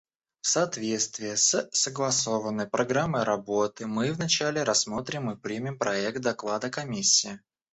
В соответствии с согласованной программой работы мы вначале рассмотрим и примем проект доклада Комиссии.